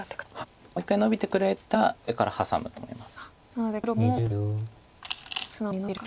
白もまずもう１回ノビてくれたらそれからハサむと思います。